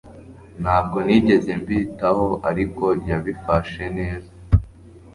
Ntabwo nigeze mbitaho ariko yabifashe neza